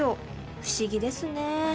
不思議ですね